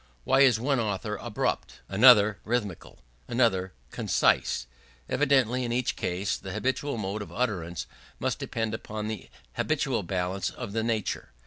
Why is one author abrupt, another rhythmical, another concise? Evidently in each case the habitual mode of utterance must depend upon the habitual balance of the nature.